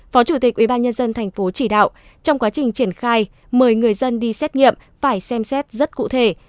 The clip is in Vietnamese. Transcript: phó chủ tịch ubnd tp chỉ đạo trong quá trình triển khai mời người dân đi xét nghiệm phải xem xét rất cụ thể